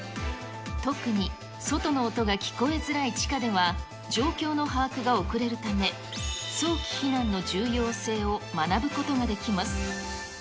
特に外の音が聞こえづらい地下では、状況の把握が遅れるため、早期避難の重要性を学ぶことができます。